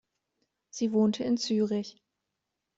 Sie wohnte in Zürich.